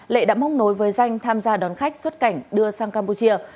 lệ đã móc nối với danh tham gia đón khách xuất cảnh đưa sang campuchia